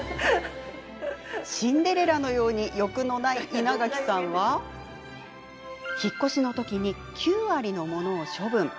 シンデレラのように欲のない稲垣さんは引っ越しの時に９割のものを処分。